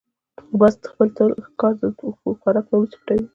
باز خپل ښکار د خوراک نه وروسته پټوي